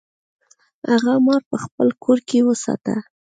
هغه مار په خپل کور کې وساته.